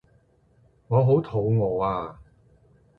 我好肚餓啊